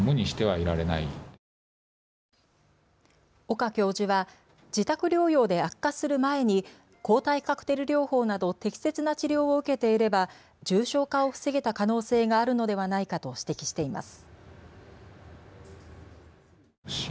岡教授は自宅療養で悪化する前に抗体カクテル療法など適切な治療を受けていれば重症化を防げた可能性があるのではないかと指摘しています。